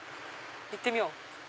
行ってみよう。